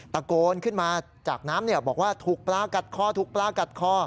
ตะโกนขึ้นมาจากน้ำบอกว่าถูกปลากัดคอถูกปลากัดคอ